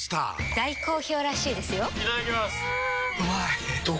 大好評らしいですよんうまい！